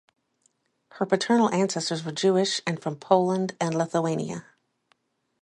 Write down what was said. Her paternal ancestors were jewish and from poland and lithunia.